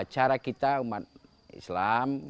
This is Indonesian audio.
cara kita umat islam